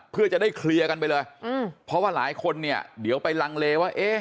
เพื่อจะได้เคลียร์กันไปเลยเพราะว่าหลายคนเนี่ยเดี๋ยวไปลังเลว่าเอ๊ะ